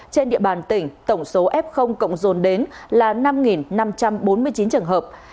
trên địa bàn tỉnh tổng số f cộng dồn đến là năm năm trăm bốn mươi chín trường hợp